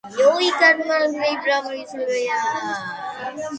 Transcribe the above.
ზურგიანი კოშკი შემორჩენილია სამი სართულის დონეზე.